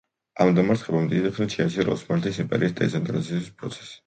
ამ დამარცხებამ დიდი ხნით შეაჩერა ოსმალეთის იმპერიის ცენტრალიზაციის პროცესი.